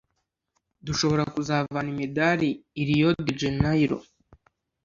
dushobora kuzavana imidari i Rio de Janeiro